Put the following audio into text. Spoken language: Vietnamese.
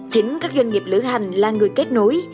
chính các doanh nghiệp lửa hành là người kết nối